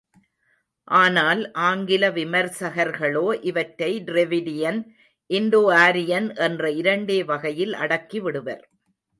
ஆனால், ஆங்கில விமர்சகர்களோ, இவற்றை ட்ரெவிடியன், இன்டோ ஆரியன் என்ற இரண்டே வகையில் அடக்கி விடுவர்.